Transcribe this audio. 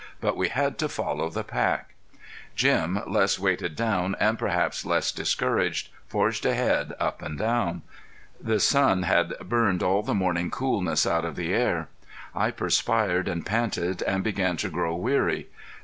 But we had to follow the pack. Jim, less weighted down and perhaps less discouraged, forged ahead up and down. The sun had burned all the morning coolness out of the air. I perspired and panted and began to grow weary.